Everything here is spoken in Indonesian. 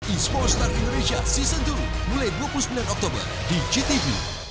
esports star indonesia season dua mulai dua puluh sembilan oktober di gtv